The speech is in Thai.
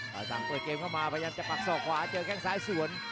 ต่อสั่งเปิดเกมเข้ามาพยายามจะปักศอกขวาเจอแข้งซ้ายสวน